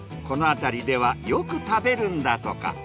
このあたりではよく食べるんだとか。